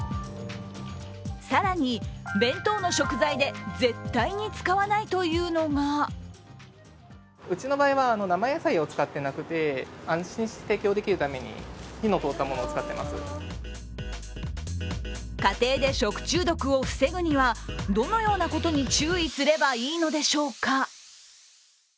更に弁当の食材で絶対に使わないというのが家庭で食中毒を防ぐにはどのようなことに注意すればいいのでしょうか？